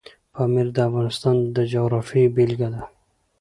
پامیر د افغانستان د جغرافیې بېلګه ده.